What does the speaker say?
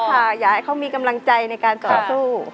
อยากให้เขามีกำลังใจในการต่อสู้